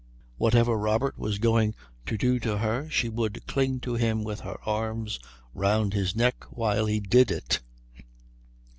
Whatever Robert was going to do to her she would cling to him with her arms round his neck while he did it.